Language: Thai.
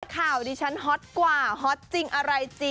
ข่าวดิฉันฮอตกว่าฮอตจริงอะไรจริง